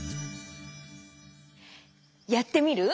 やってみる？